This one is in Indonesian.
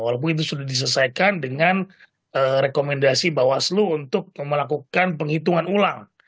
walaupun itu sudah diselesaikan dengan rekomendasi bawaslu untuk melakukan penghitungan ulang